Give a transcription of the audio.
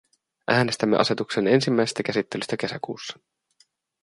Äänestämme asetuksen ensimmäisestä käsittelystä kesäkuussa.